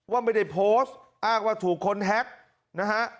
ว่าไม่ได้โพสต์อ้างว่าถูกคนแฮ็กนะฮะ